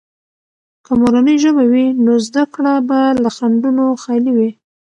که مورنۍ ژبه وي، نو زده کړه به له خنډونو خالي وي.